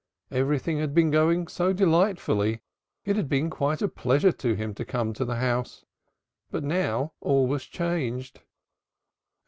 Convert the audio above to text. Everything had been going so delightfully, it had been quite a pleasure to him to come to the house. But now all was changed.